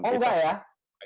oh enggak ya